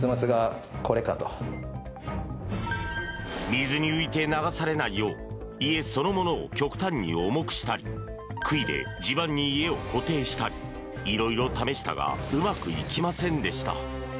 水に浮いて流されないよう家そのものを極端に重くしたり杭で地盤に家を固定したり色々試したがうまくいきませんでした。